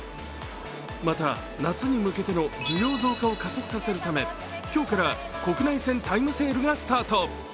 また夏に向けての利用増加を加速させるため今日から国内線タイムセールがスタート。